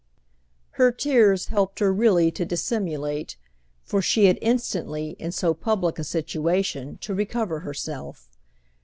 Her tears helped her really to dissimulate, for she had instantly, in so public a situation, to recover herself.